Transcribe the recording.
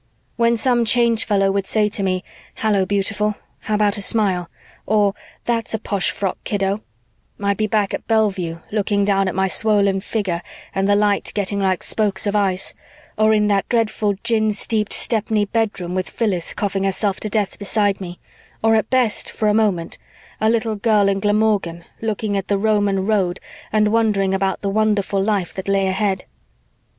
"When some Change Fellow would say to me, 'Hallo, beautiful, how about a smile?' or 'That's a posh frock, kiddo,' I'd be back at Bellevue looking down at my swollen figure and the light getting like spokes of ice, or in that dreadful gin steeped Stepney bedroom with Phyllis coughing herself to death beside me, or at best, for a moment, a little girl in Glamorgan looking at the Roman road and wondering about the wonderful life that lay ahead."